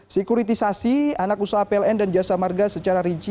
sekuritisasi anak usaha pln dan jasa marga secara rinci